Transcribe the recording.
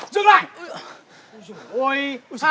thằng này ra